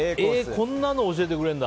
こんなの教えてくれるんだ。